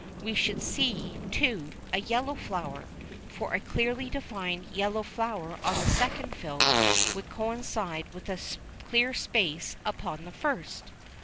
We should see, too, a yellow flower, for a clearly defined yellow flower on the second film would coincide with a clear space upon the first.